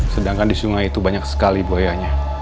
sedangkan di sungai itu banyak sekali buayanya